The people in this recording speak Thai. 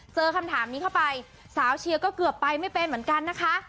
คำถามนี้เข้าไปสาวเชียร์ก็เกือบไปไม่เป็นเหมือนกันนะคะ